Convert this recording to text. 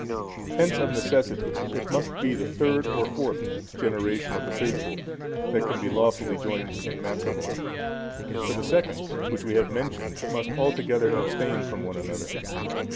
Hence of necessity it must be the third or fourth generation of the faithful, that can be lawfully joined in matrimony; for the second, which we have mentioned, must altogether abstain from one another.